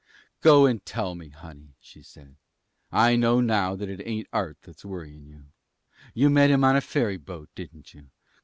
"Go on and tell me, honey," she said. "I know now that it ain't art that's worrying you. You met him on a ferry boat, didn't you?